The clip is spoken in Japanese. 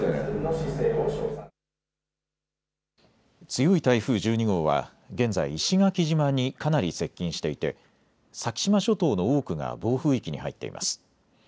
強い台風１２号は現在、石垣島にかなり接近していて先島諸島の多くが暴風域に入っています。